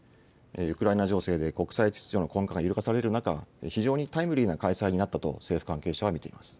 ウクライナ情勢で国際秩序の根幹が揺るがされる中、非常にタイムリーな開催になったと、政府関係者は見ています。